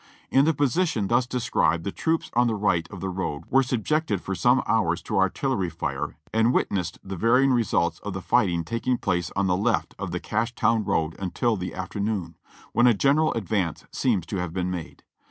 In the position thus described, the troops on the right of the road were subjected for some hours to artillery lire and wit nessed the varying results of the fighting taking place on the left of the Cashtown road until the afternoon, when a general advance seems to have been made.